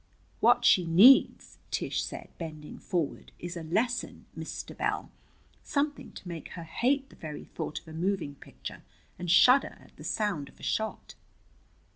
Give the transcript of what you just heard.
"What she needs," Tish said, bending forward, "is a lesson, Mr. Bell something to make her hate the very thought of a moving picture and shudder at the sound of a shot."